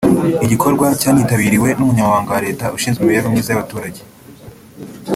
Igikorwa cyanitabiriwe n’Umunyamabanga wa Leta ushinzwe imibereho myiza y’abaturage